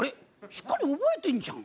しっかり覚えてんじゃん。